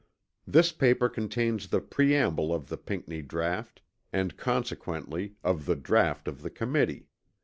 This paper contains the preamble of the Pinckney draught, and, consequently, of the draught of the Committee.